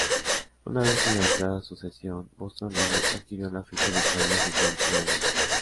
Una vez finalizada su cesión, Boston River adquirió la ficha de Carlos definitivamente.